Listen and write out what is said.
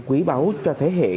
quý báu cho thế hệ